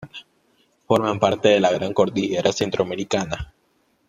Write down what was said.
Forma parte de la gran Cordillera Centroamericana.